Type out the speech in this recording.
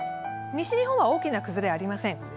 西日本は大きな崩れはありません。